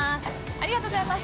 ありがとうございます。